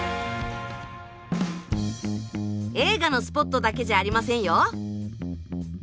映画のスポットだけじゃありませんよ。